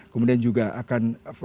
kemudian juga akan